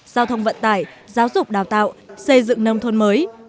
giao thông vận tải giáo dục đào tạo xây dựng nông thôn mới